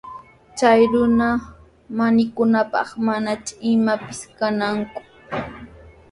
Chay runa mikunanpaq manashi imapis kannaku.